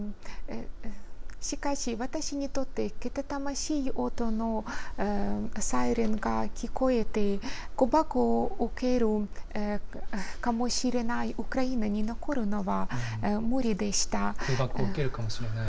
しかし私にとって、けたたましい音のサイレンが聞こえて、空爆を受けるかもしれないウクライナに残るのは、むりでした。